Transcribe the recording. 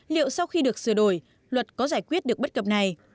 liệu sau khi được sửa đổi luật có giải quyết được bất cập này